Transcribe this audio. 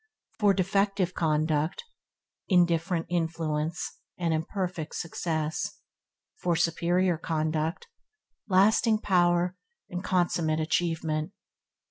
For defective conduct, indifferent influence and imperfect success; for superior conduct lasting power and consummate achievement.